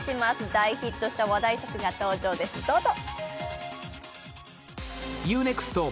大ヒットした話題作が登場です、どうぞ！